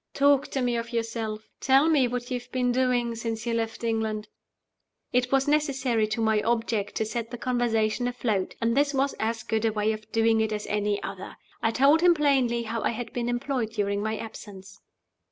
Talk to me of yourself. Tell me what you have been doing since you left England." It was necessary to my object to set the conversation afloat; and this was as good a way of doing it as any other. I told him plainly how I had been employed during my absence.